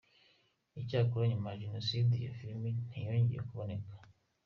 Icyakora nyuma ya Jenoside iyo Filime ntiyongeye kuboneka.